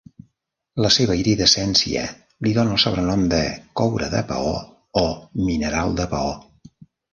La seva iridescència li dona el sobrenom de "coure de paó" o "mineral de paó".